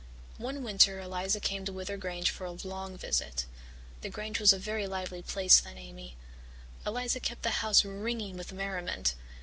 One winter Eliza came to Wyther Grange for a long visit. The Grange was a very lively place then, Amy. Eliza kept the old house ringing with merriment.